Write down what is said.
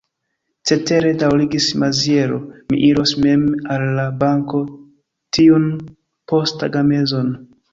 Cetere, daŭrigis Maziero, mi iros mem al la banko tiun posttagmezon.